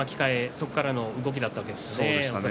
そこからの動きだったわけですね。